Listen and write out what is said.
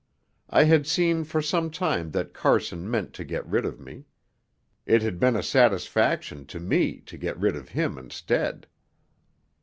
I had seen for some time that Carson meant to get rid of me. It had been a satisfaction to me to get rid of him instead.